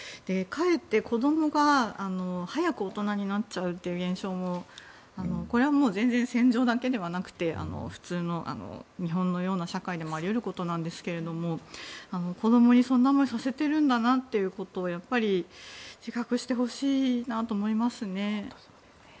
かえって子供が、早く大人になっちゃうっていう現象もこれはもう全然戦場だけではなくて普通の日本のような社会にもあり得ることなんですけど子供にそんな思いをさせてるんだなということを自覚してほしいなと思いますね。